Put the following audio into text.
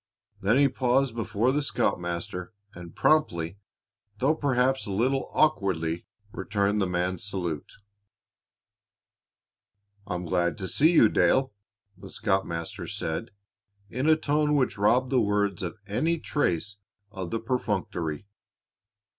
Then he paused before the scoutmaster and promptly, though perhaps a little awkwardly, returned the man's salute. "I'm glad to see you, Dale," the scoutmaster said, in a tone which robbed the words of any trace of the perfunctory.